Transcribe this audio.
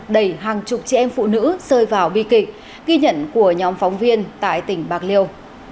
đẩy hàng chục trẻ em phụ nữ rơi vào bi kịch ghi nhận của nhóm phóng viên tại tỉnh bạc liêu